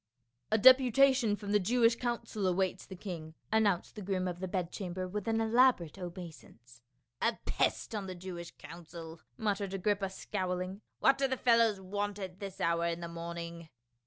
A DEPUTATION from the Jewish council awaits the king," announced the groom of the bed chamber with an elaborate obeisance. " A pest on the Jewish council !" muttered Agrippa scowling. " What do the fellows want at this hour in the morning?"